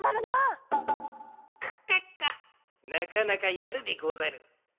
なかなかやるでござる。